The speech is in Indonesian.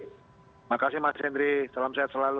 terima kasih mas hendri salam sehat selalu